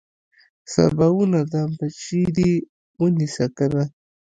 سباوونه دا بچي دې ونيسه کنه.